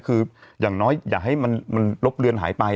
คืออย่างน้อยอย่าให้มันลบเลือนหายไป